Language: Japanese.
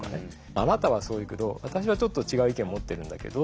あなたはそう言うけど私はちょっと違う意見を持ってるんだけどとかね。